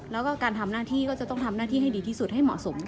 แล้วก็การทำหน้าที่ก็จะต้องทำหน้าที่ให้ดีที่สุดให้เหมาะสม